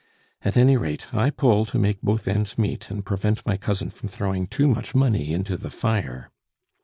At any rate, I pull to make both ends meet, and prevent my cousin from throwing too much money into the fire."